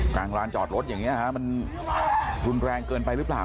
กลางร้านจอดรถอย่างนี้ฮะมันรุนแรงเกินไปหรือเปล่า